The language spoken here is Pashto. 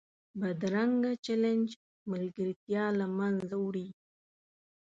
بدرنګه چلند ملګرتیا له منځه وړي